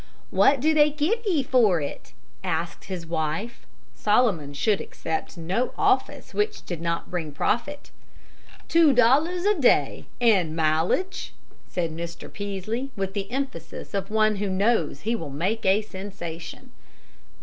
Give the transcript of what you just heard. "What do they give ye for it?" asked his wife. Solomon should accept no office which did not bring profit. "Two dollars a day and mileage," said Mr. Peaslee, with the emphasis of one who knows he will make a sensation.